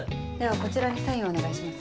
こちらにサインをお願いします。